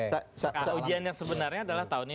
nah ujian yang sebenarnya adalah tahun ini